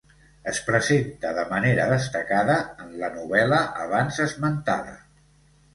Es presenta de manera destacada en la novel·la abans esmentada.